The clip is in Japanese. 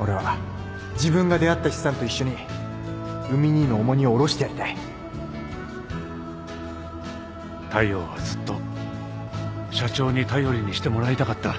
俺は自分が出会った資産と一緒に海兄の重荷を下ろしてやりたい大陽はずっと社長に頼りにしてもらいたかった。